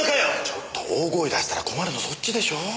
ちょっと大声出したら困るのそっちでしょ。